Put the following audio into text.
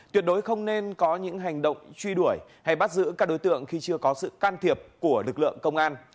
tuyệt đối không nên có những hành động truy đuổi hay bắt giữ các đối tượng khi chưa có sự can thiệp của lực lượng công an